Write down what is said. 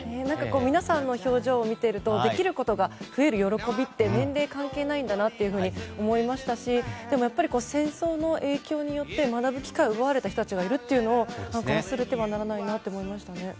皆さんの表情を見ているとできることが増える喜びって年齢関係ないんだなって思いましたしでも、やっぱり戦争の影響によって学ぶ機会を奪われた人がいるということを忘れてはならないなって思いましたね。